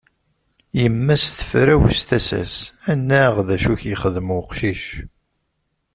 Yemma-s tefrawes tasa-s; annaɣ d acu i ak-yexdem uqcic?